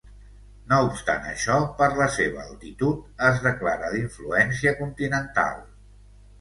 No obstant això, per la seva altitud, es declara d'influència continental.